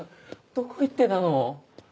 どこ行ってたの？